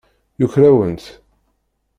Yuker-awent.